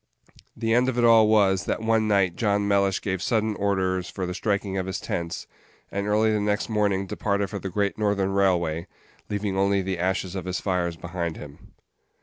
The end of it all was, that one night John Mellish gave sudden orders for the striking of his tents, and early the next morning departed for the Great Northern Railway, leaving only the ashes of his fires behind him.